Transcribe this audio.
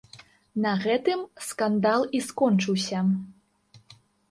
На гэтым скандал і скончыўся.